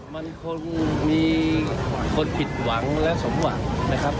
มันคงมีคนผิดหวังและสมหวังนะครับ